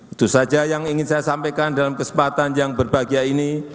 itu saja yang ingin saya sampaikan dalam kesempatan yang berbahagia ini